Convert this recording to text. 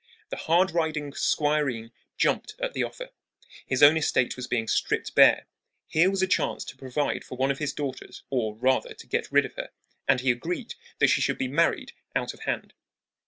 The hard riding squireen jumped at the offer. His own estate was being stripped bare. Here was a chance to provide for one of his daughters, or, rather, to get rid of her, and he agreed that she should be married out of hand.